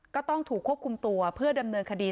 ก็ต้องถูกควบคุมตัวเพื่อดำเนินคดี